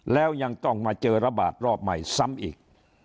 แล้วยังต้องมาเจอระบาดรอบใหม่ซ้ำอีก